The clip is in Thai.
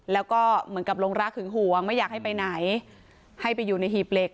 แล้วก็เหมือนกับลงรักหึงหวงไม่อยากให้ไปไหนให้ไปอยู่ในหีบเหล็ก